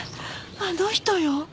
あの人よ。